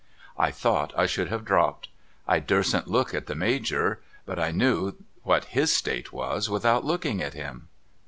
I thought 1 should have dropped. I durstn't look at the Major ; but I knew what his state was, without looking at him.